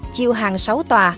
chiêu hàng sáu tòa